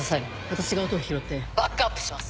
私が音を拾ってバックアップします。